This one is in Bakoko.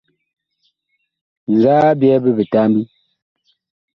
Nzaa a byɛ bi bitambi ?